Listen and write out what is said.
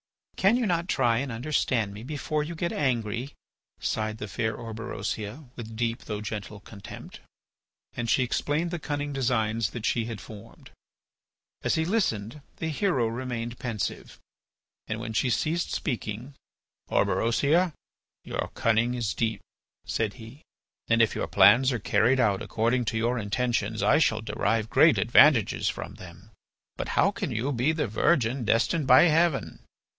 "Can you not try and understand me before you get angry?" sighed the fair Orberosia with deep though gentle contempt. And she explained the cunning designs that she had formed. As he listened, the hero remained pensive. And when she ceased speaking: "Orberosia, your cunning, is deep," said he, "And if your plans are carried out according to your intentions I shall derive great advantages from them. But how can you be the virgin destined by heaven?"